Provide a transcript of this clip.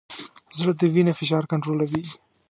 زړه د وینې فشار کنټرولوي.